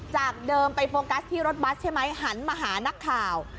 จากเดิมไปโฟกัสที่รถบัสใช่ไหมหันมาหานักข่าว